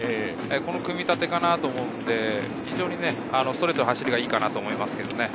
この組み立てかなと思うので、ストレートの走りはいいと思います。